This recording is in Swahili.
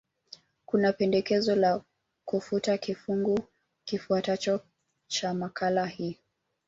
Kuna pendekezo la kufuta kifungu kifuatacho cha makala hii